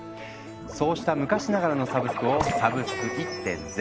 そうした昔ながらのサブスクを「サブスク１．０」。